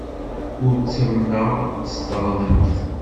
Ur ttamneɣ s teɣdemt.